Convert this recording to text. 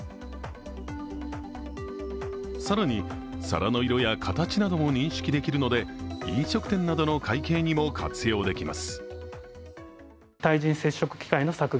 更に、皿の色や形なども認識できるので飲食店などの会計にも活用できます。